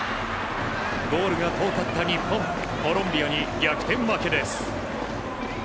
ゴールが遠かった日本コロンビアに逆転負けです。